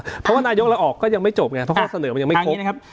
เพราะว่านายกเราออกก็ยังไม่จบไงเพราะข้อเสนอมันยังไม่ครบนะครับ